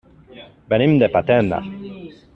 Venim de Paterna.